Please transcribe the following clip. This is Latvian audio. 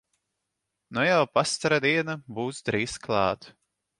Nu jau pastara diena būs drīz klāt!